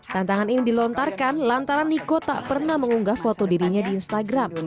tantangan ini dilontarkan lantaran niko tak pernah mengunggah foto dirinya di instagram